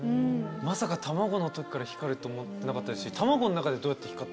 まさか卵の時から光ると思ってなかったですし。